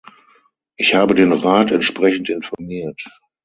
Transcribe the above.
Ich habe den Rat entsprechend informiert.